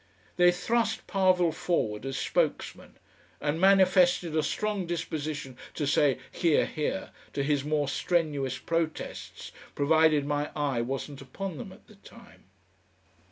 They thrust Parvill forward as spokesman, and manifested a strong disposition to say "Hear, hear!" to his more strenuous protests provided my eye wasn't upon them at the time.